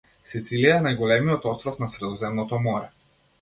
Сицилија е најголемиот остров на Средоземното Море.